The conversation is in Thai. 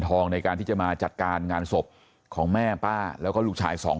ทองในการที่จะมาจัดการงานศพของแม่ป้าแล้วก็ลูกชายสอง